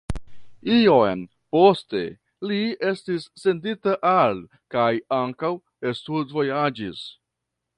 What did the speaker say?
Iom poste li estis sendita al kaj ankaŭ studvojaĝis.